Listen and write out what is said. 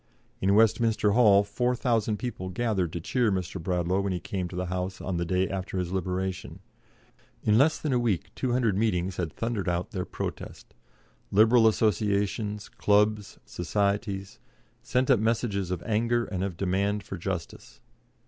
In Westminster Hall 4,000 people gathered to cheer Mr. Bradlaugh when he came to the House on the day after his liberation. In less than a week 200 meetings had thundered out their protest. Liberal associations, clubs, societies, sent up messages of anger and of demand for justice.